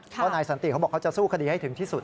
เพราะนายสันติเขาบอกเขาจะสู้คดีให้ถึงที่สุด